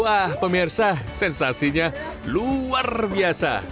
wah pemirsa sensasinya luar biasa